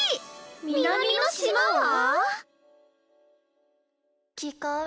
南の島は⁉